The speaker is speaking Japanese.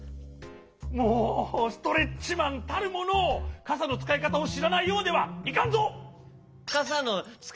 もうストレッチマンたるものかさのつかいかたをしらないようではいかんぞ！